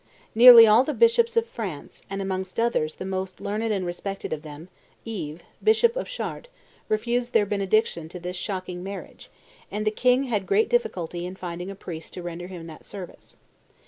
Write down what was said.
Nearly all the bishops of France, and amongst others the most learned and respected of them, Yves, bishop of Chartres, refused their benediction to this shocking marriage; and the king had great difficulty in finding a priest to render him that service.